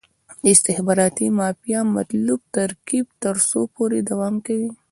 د استخباراتي مافیا مطلوب ترکیب تر څو پورې دوام کوي.